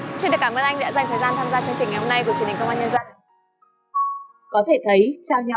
xin được cảm ơn anh đã dành thời gian tham gia chương trình ngày hôm nay của truyền hình công an nhân dân